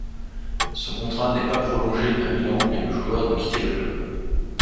Son contrat n'est pas prolongé à Milan et le joueur doit quitter le club.